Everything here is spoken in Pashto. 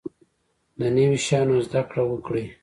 د نوي شیانو زده کړه وکړئ